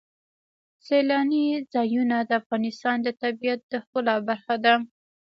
سیلانی ځایونه د افغانستان د طبیعت د ښکلا برخه ده.